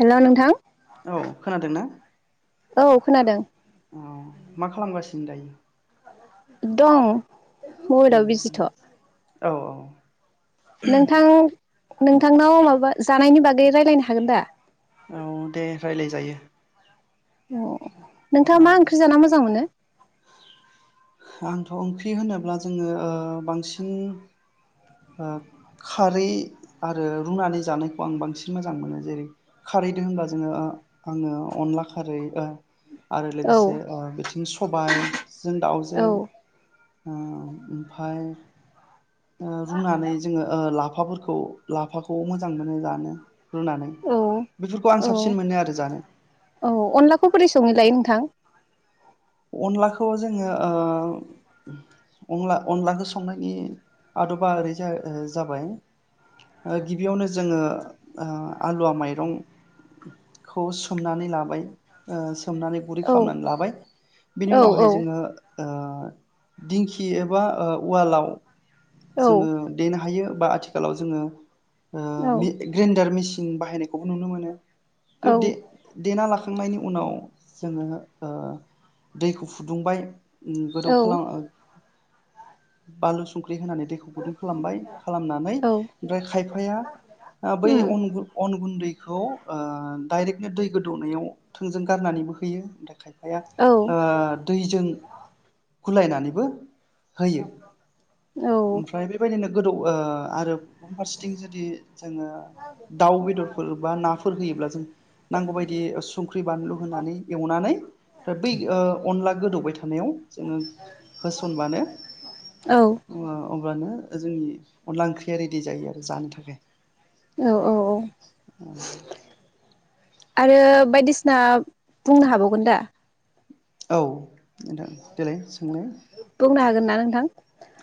हेल' नोंथां औ खोनादों ना औ खोनादों अ मा खालामगासिनो सिनो दायो दं मबाइलाव बिजिथ' औ औ नोंथां नोंथांनाव माबा जानायनि बागै दे रायज्लायनो हागोन दा औ दे रायलायजायो [unintelligible] नोंथाङा औ मा ओंख्रि जाना मोजां मोनो आंथ' ओंख्रि होनोब्ला जोङो ओ बांसिन ओ खारै आरो रुनानै जानायखौ आं बांसिन मोजां मोनो जेरै खारैजों होनबा जोङो आङो अनला खारै आरो औ लोगोसे बिथिं सबायजों औ दाउजों ओ ओमफाय ओ रुनानै जोङो ओ ला लाफाफोरखौ लाफाखौ मोजां मोनो जानो रुनानै औ बेफोरखौ आं औ साबसिन मोनो आरो जानो औ अनलाखौ बोरै सङै लायो नोंथां अनलाखौ जोङो ओ अनला अनलाखो संनायनि आदबा ओरै जाबाय गिबियावनो जोङो ओ आलुवा माइरंखौ सोमनानै लाबाय सोमनानै गुरै औ खालामनानै लाबाय बिनि औ उनावहाय औ जोङो ओ दिंखि एबा ओ उवालाव औ जोङो देनो हायो बा आथिखालाव जोङो ओ औ मि ग्रेन्डार मिसि ओम बाहायनायखौबो नुनो मोनो बेयाव औ दे- देना लाखांनायनि उनाव जोङो ओ दैखौ फुदुंबाय गोदौ औ खालाम ओ बानलु संख्रि होनानै दैखौ गुदुं खालामबाय खालामनानै औ ओमफ्राय खायफाया ओ बै उम अन गुन अन गुनदै बेखौ ओ डाइरेक्टनो दै गोदौनायाव थोंजों गारनानैबो होयो [unintelligible] आया औ ओ दैजों गुलायनानैबो होयो औ ओमफ्राय बेबायदिनो गोदौ ओ आरो गुबुन फारसेथिं जुदि जोङो दाउ बेदरफोर बा नाफोर होयोब्ला जों नांगौबायायदि संख्रि बानलु होनानै एवनानै फ्राय बै ओ अनला गोदौबाय थानायाव जोङो होसनबानो औ अब्लानो जोंनि अनला ओंख्रिया रेडि जायो आरो जानो थाखाय औ [unintelligible] आरो बायदिसिना बुंनो हाबावगोन दा? औ नोंथां देलाय सोंलाय बुंनो हागोन ना नोंथां?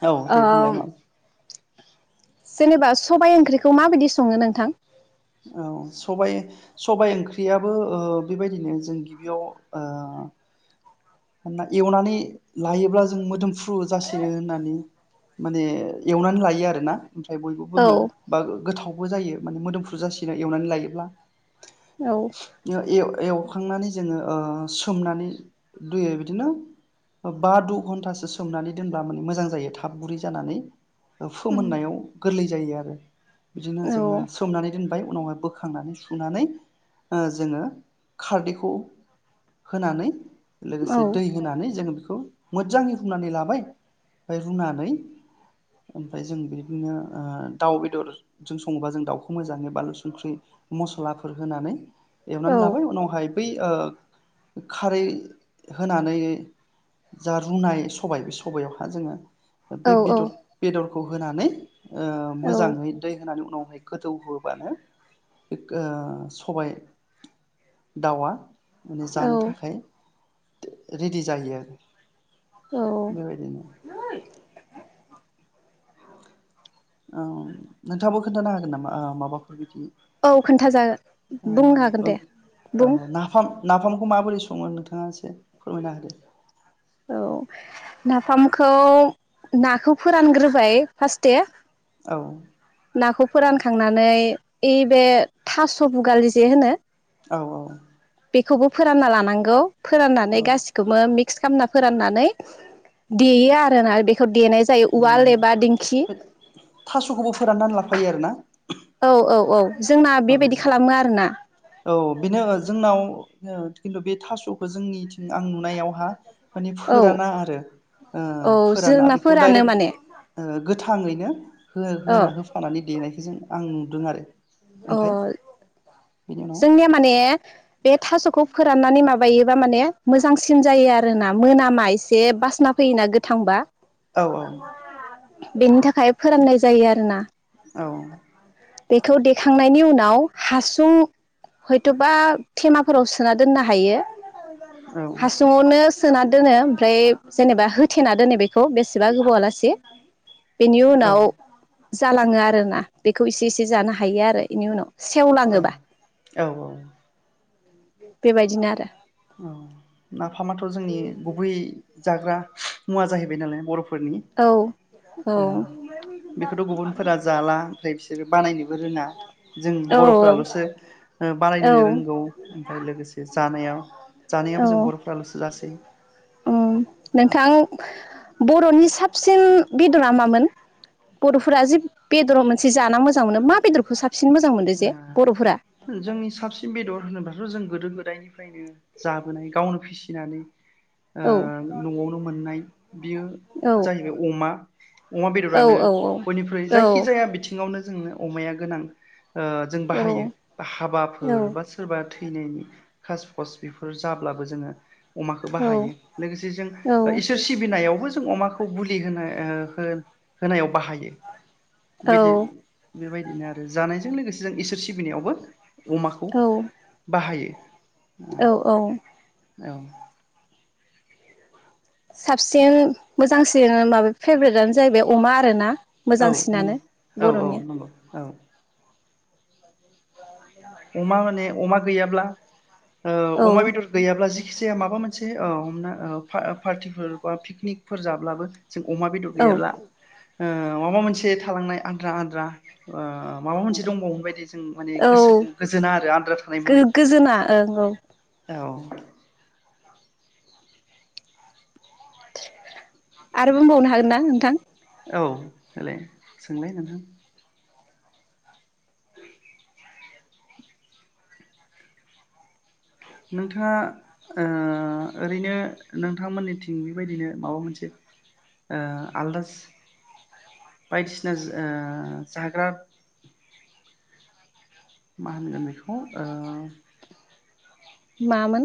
औ दे बुंलाय ओ मा? जेनेबा सबाय ओंख्रिखौ माबायदि सङो नोंथां? औ सबाइ सबायाइ ओंख्रियाबो ओ बेबायदिनो जों गिबियाव ओ मानोना एवनानै लायोब्ला जों मोदोमफ्रु जासिनो होननानै माने एवनानै लायो आरो ना ओमफ्राय बयबो औ बुङो बा गोथाव बो जायो माने मोदोमफ्रु जासिनो एवनानै लायोब्ला औ ओ एव एवखांनानै जोङो ओ सोमनानै दैयाव बिदिनो बा द घन्टासो सोमनानै दोनब्ला माने मोजां जायो थाब गुरै जानानै ओ औ फोमोननायाव गोरलै जायो आरो बिदिनो जोङो औ सोमनानै दोन उनावहाय बोखांनानै सुनानै ओ जोङो खारदैखौ होनानै लोगोसे दै होनानै जोङो बेखौ मोजाङै रुनानै लाबाय ओमफ्राय रुनानै ओमफाय जों बिदिनो ओ दाउ बेदरजों सङोबा जों दाउखौ मोजाङै बाललु संख्रि मस्लाफोर होनानै औ एवनानै लाबाय उनावहाय बै ओ खारै होनानै जा रुनाय सबाय बे सबयावहा जोङो औ बै बेदर बेदर होनानै ओ औ मोजाङै दै होनानै उनावहाय गोदौ होबानो बे ओ सबाय दाउआ माने औ जानो थाखाय रेडि जायो आरो औ बेबायदिनो औ नोंथाङाबो खोन्थानो हागोन नामा ओ माबाफोर बिदि औ ओ खोन्थाजागोन बुंनो हागोन ओं दे औ बुं नाफाम नाफामखौ माबोरै सङो नोंथाङा एसे फोरमायनो होदो औ नाफामखौ नाखौ फोरानग्रोबाय फार्स्ट दे औ नाखौ फोरानखांनानै ओइ बे थास' भुगालि जे होनो औ औ बेखौबो फोरानना लानांगौ फोराननानै औ गासिखौबो फक्स खालामना फोराननानै देयो आरोना बेखौ देनाय जायो उवाल उम एबा दिंखि बे थास'खौबो फोराननानै लाफायो आरोना औ औ औ जोंना औ बेबायदि खालामो आरोना औ बेनो जोंनाव खिन्थु बे थास'खौ जोंनिथिं आं नुनायावहा मानि औ फोराना आरो ओ औ फोराना जोंना बेखौ फोरानो डाइरेक्ट माने ओ गोथां गोथाङैनो हो औ होना होफानानै देनायखौ जों आं नु दों आरो अ ओमफ्राय बेनि उनाव जोंनिया माने बे थास'खौ फोराननानै माबायोबा माने मोजांसिन जायो आरोना मोनामा एसे बासना फैयोना गोथांबा औ औ बेनि थाखाय फोराननाय जायो आरोना औ बेखौ देखांनायनि उनाव हासुं हयथ'बा थेमाफोराव सोना दोननो हायो हासुङावनो सोना दोनो ओमफ्राय जेनेबा होथेना दोनो बेखौ बेसेबा गोबाव आलासि बेनि औ उनाव जालाङो आरो ना बेखौ खौ इसे एसे जानो हायो आरो एनि उनाव औ सेवलाङोबा औ औ बेबायदिनो आरो औ नाफामाथ जोंनि गुबै जाग्रा मुवा जाहैबाय नालाय बर'फोर फोरनि औ औ बेखौथ गुबुनफोरा जाला ओमफ्राय बिसोरो बानायनोबो रोङा जों औ बर'फोरालसो औ बानायनो रोंगौ ओमफ्राय लोगोसे जानायाव औ जानायाबो जों बर'फ्रालसो जासै उम नोंथां बर'नि साबसिन बेदरा मामोन बर'फोरा जि बेदराव मोनसे जाना मोजां मोनो मा बेदरखौ साब साबसिन मोजां मोनदों जे ओ बर'फोरा जोंनि साबसिन बेदर होनोबाथ जों गोदो गोदायनिफ्रायनो जाबोनाय गावनो फिसिनानै ओ औ नआवनो मोननाय बियो औ जाहैबाय अमा अमा औ बेदरानो बयनिख्रुइ औ जायखिजाया बिथिङावनो जोंनो अमाया गोनां ओ जों औ बाहायो औ हाबाफोर बा सोरबा थैनायनि खास खस बेफोर जाब्लाबो जोङो अमाखौ बाहायो लोगोसे जों इसोर सिबिनायावबो जों अमाखौ बुलि होनो ओ होनायाव बाहायो बे बायदि औ बेबायदि बिनो आरो जानाय जों लोगोसे जों इसोर सिबिनायावबो अमाखौ बाहायो औ औ औ साबसिन मोजांसिन माबा फेभ्रेटआनो जाहैबाय अमा आरो ना औ औ औ नंगौ औ अमा माने अमा गैयाब्ला ओ औ अमा बेदर गैयाब्ला जि जायखिजाया माबा मोनसे हमना पार्टिफोर बा पिकनिकफोर जाब्लाबो जों अमा बेदर औ गैयाब्ला ओ माबा मोनसे थालांनाय आद्रा आद्रा ओ माबा मोनसे दंबावोमोन बादि जों माने औ गोसोखौ गोजोना आरो आद्रा थानाय मोनो गोजोना ओं औ औ आरोबुंबावनो हागोन ना नोंथां औ देलाय सोंलाय नोंथां नोंथाङा ओ ओरैनो नोंथांमोननिथिं बेबायदिनो माबा मोनसे ओ आलदा बायदिसिना ओ जाग्रा मा होनगोन बेखौ ओ मामोन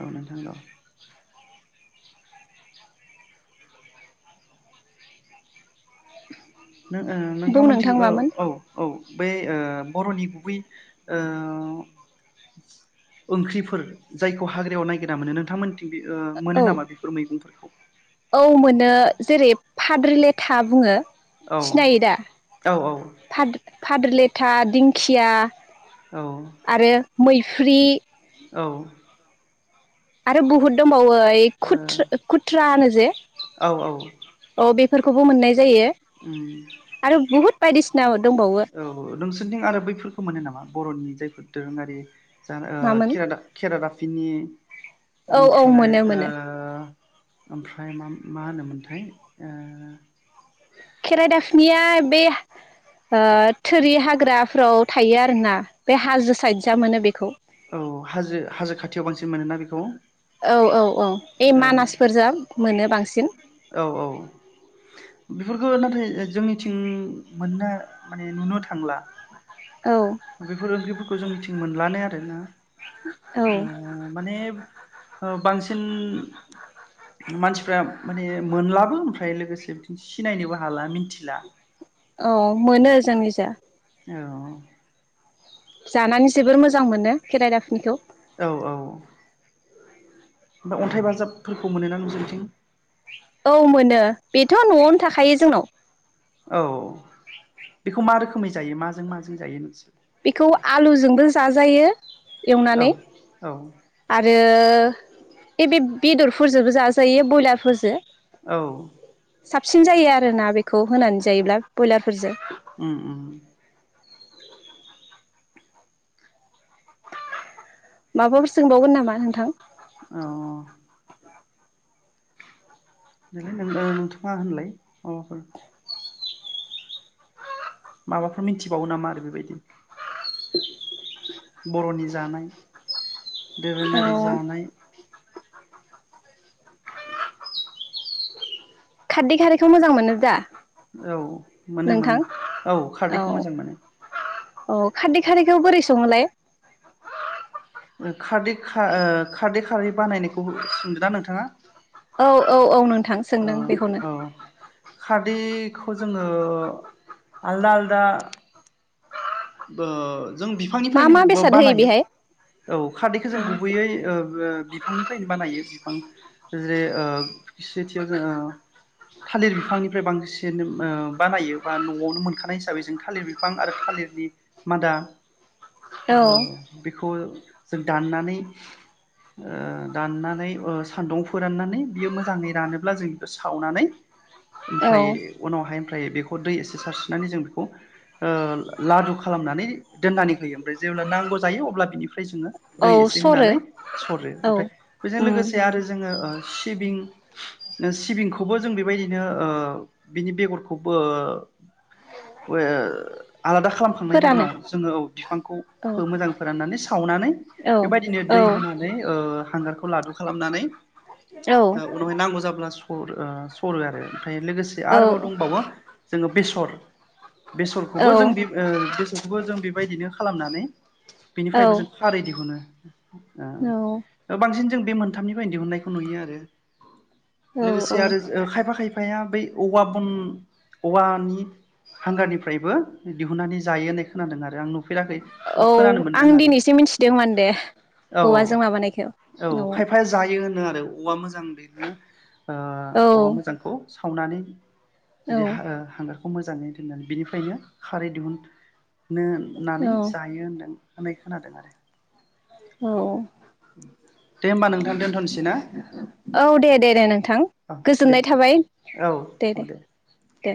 औ नोंथां औ [inaudible] नों ओ बुं नोंथांमोनथिं नोंथां मामोन औ औ बे ओ बर'नि गुबै ओ ओंख्रिफोर जायखौ हाग्रायाव नायगिरना मोनो नोंथांमोनथिं ओ मोनो औ नामा बेफोर मैगंफोरखौ औ मोनो जेरै फाद्रिलेथा बुङो औ सिनायो दा औ औ फा फाद्रिले था दिंखिया औ आरो मैफ्रि औ आरो बहुद दं बावो ओइ खुद खुदथ्रा होनो जे औ औ औ बेफोरखौबो मोननाय जायो उम आरो बहुद बायदिसिना दंबावो औ नोंसोरथिं आरो बैफोरखौ मोनो नामा बर'नि जायफोर दोरोङारि जा ओ मामोन केरादा केरादा बिनि औ औ ओमफ्राय मोनो ओ मोनो ओमफ्राय मा होनोमोन नाथाय ओ खेराइ दाफिनिया बे ओ थोरि हा हाग्राफ्राव थायो आरोना बे हाजो साइदजा मोनो बेखौ औ हाजो हाजो खाथियाव बांसिन मोनोना बेखौ औ औ औ बे मानासफोरजों मोनो बांसिन ओ औ बेफोरखौ नाथाय जोंनिथिं मोननो माने नुनो थांला औ बेफोर ओंख्रिफोरखौ जोंनिथिं मोनलानो आरोना औ ओ माने ओ बांसिन मानसिफ्रा माने मोनलाबो ओमफ्राय लोगोसे बिथिं सिनायनोबो हाला मिथिला औ मोनो जोंनिजा औ जानानै जोबोर मोजां मोनो खेरा दाफिनिखौ औ औ ओमफाय अन्थाइ बाजाबफोरखौ मोनोना नोंसोरथिं औ मोनो बेथ' न'आवनो थाखायो जोंनाव औ बेखौ मा रोखोमै जायो माजों माजों जायो नोंसोर बेखौ आलुजोंबो जाजायो औ एवनानै औ आरो ओ बे बेदरफोरजोंबो जाजायो ब्रयलारफोरजों औ साबसिन जायो आरो ना बेखौ होनानै जायोब्ला ब्रयलार ओम ओम माबाफोर सोंबावगोन नामा नोंथां औ औ देलाय नों नोंथा होनलाय माबाफोर माबाफोर मिथिबावो नामा आरो बेबायदि [inaudible] बर'नि जानाय दोरोङारि औ जानाय खारदै खारैखौ मोजां मोनो दा औ मोनो नोंथां मोनो औ खारदैखौ मोजां मोनो अ खारदै खारदैखौ बोरै सङोलाय खारदै खारै ओ खारदै खा खारै बानायनायखौ सोंदोदा नोंथाङा औ औ औ नोंथां सोंदों बेखौनो बेखौ जोङो आलदा आलदा ओ जों मा मा बिफांनिफ्रायनो बेसाद होयो बानायो बेहाय औ खारदैखौ जों गुबैयै ओ बिफांनिफ्रायनो बानायो बिफां जे ओ सेथियाव जो थालिर बिफांनिफ्राय बांसिन बानायो बा न'आवनो मोनखानाय हिसाबै जों थालिर बिफां आरो थालिरनि मादा औ औ जों दाननानै ओ दाननानै ओ सान्दुं फोराननानै बियो मोजाङै रानोब्ला जों बेखौ सावनानै औ ओमफ्राय उनावहाय ओमफ्राय बेखौ दै एसे सारस्रिनानै जों बेखौ ओ लादु खालामनानै दोननानै होयो ओमफ्राय जेब्ला नांगौ जायो अब्ला ओमफ्राय जोङो औ दै एसे सरो होनानै सरो औ ओमफ्राय बेजों उम लोगोसे आरो जोङो सिबिं सिबिंखौबो जों बेबायदिनो ओ बिनि बेगरखौबो ओ आलादा खालामखांनायनि फोरानो उनाव जोङो औ बिफांखौ औ मोजां फोराननानै सा खावनानै औ बेबायदिनो औ दै होनानै ओ हांगार खौ लादु खालामनानै औ ओ उनावहाय नांगौ जाब्ला सरो। ओ सरो आरो ओमफाय लोगोसे औ आरोबाव दंबावो। जोङो बेसर बेसरखौबो जों औ बे ओ बेसरखौबो जों बेबायदिनो खालामनानै बेनिफ्रायबो जों खारै दिहुनो औ ओ गोबांसिन जों बे मोनथामनिफ्रायनो दिहुननायखौ नुयो आरो औ लोगोसे आरो ओ खायफा खायफाया बै औवा बन औवानि हांगारनिफ्रायबो दिहुननानै जायो होननाय खोनादों आरो आं नु फेराखै जों खोनानो मोन्दों आरो। दों माने औ औवाजों माबानायखौ। औ ओनदों आरो औवा मोजा जों बिदिनो ओ औ औवा मोजांखौ सावनानै औ जुदि हो हांगार मोजाङै दोननानै बेनिफ्रायनो खारै दिहुन नों होननानै औ जायो होनदों। होननाय खोनादों आरो औ दे होमबा नोंथां दोनथ'नोसै ना औ दे दे दे नोंथां औ दे गोजोननाय थाबाय औ औ दे दे